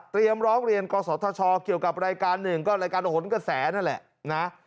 เตรียมร้องเรียนครอสทชเกี่ยวกับรายการ๑รายการโผนกษาแซกนั่นแหละ